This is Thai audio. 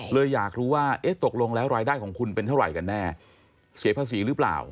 เลยอยากรู้ว่าเอ๊ะตกลงแล้วรายได้ของคุณเป็นเท่าไหร่กันแน่เสียภาษีหรือเปล่า